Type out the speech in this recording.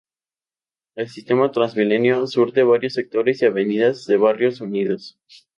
El sistema TransMilenio surte varios sectores y avenidas de Barrios Unidos.